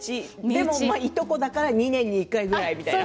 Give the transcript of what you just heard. でもいとこだから２年に１回ぐらいという。